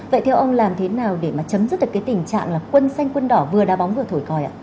vậy theo ông làm thế nào để chấm dứt tình trạng quân xanh quân đỏ vừa đa bóng vừa thổi coi